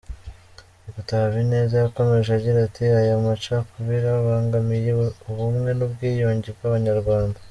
Dr Habineza yakomeje agira ati “Aya macakubiri abangamiye ubumwe n’ubwiyunge bw’abanyarwanda.